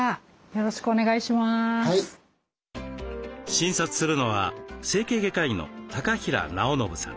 診察するのは整形外科医の高平尚伸さん。